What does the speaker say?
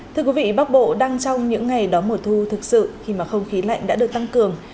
thưa quý vị bắc bộ đang trong những ngày đó mùa thu thực sự khi mà không khí lạnh đã được tăng cường